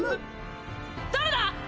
誰だ！？